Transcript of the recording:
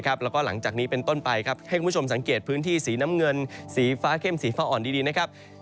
แล้วก็หลังจากนี้เป็นต้นไปให้คุณผู้ชมสังเกตพื้นที่สีน้ำเงินสีฟ้าเข้มสีฟ้าอ่อนดีนะครับ